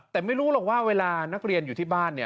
แต่ไม่รู้หรอกว่าเวลานักเรียนอยู่ที่บ้าน